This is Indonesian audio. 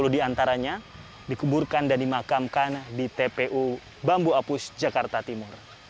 satu satu ratus lima puluh di antaranya dikeburkan dan dimakamkan di tpu bambu apus jakarta timur